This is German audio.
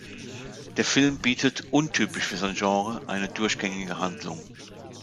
Der Film bietet, untypisch für sein Genre, eine durchgängige Handlung.